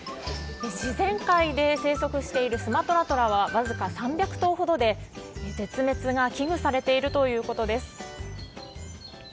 自然界で生息しているスマトラトラは僅か３００頭ほどで、絶滅が危惧されているということです。